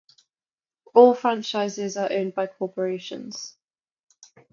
All franchises are owned by corporations.